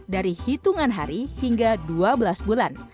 dari hitungan hari hingga dua belas bulan